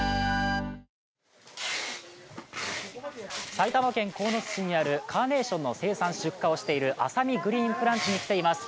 埼玉県鴻巣市にある、カーネーションの生産・出荷をしているアサミグリーンプランツに来ています。